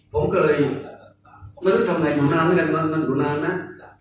ผมก็เลยไม่รู้ทำไงอยู่นานแล้วกันอยู่นานนะ